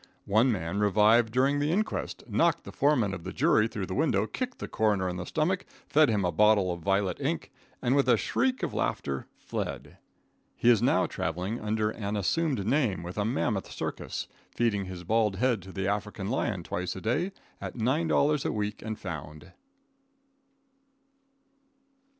One man revived during the inquest, knocked the foreman of the jury through the window, kicked the coroner in the stomach, fed him a bottle of violet ink, and, with a shriek of laughter, fled. He is now traveling under an assumed name with a mammoth circus, feeding his bald head to the African lion twice a day at $9 a week and found.